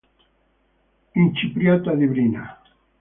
Incipriata di brina.